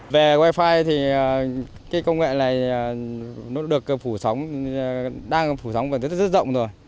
về wi fi thì cái công nghệ này nó được phủ sóng đang phủ sóng vào rất rất rất rộng rồi